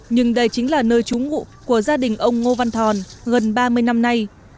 nhưng đây chính là nơi trú ngụ của gia đình ông ngô văn thòn gần ba mươi năm nay